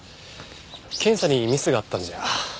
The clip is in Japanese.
検査にミスがあったんじゃ。